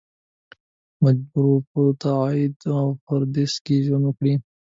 مجبور و په تبعید او پردیس کې ژوند وکړي.